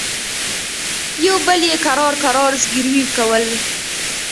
يوه بل يې کرار کرار زګيروي کول.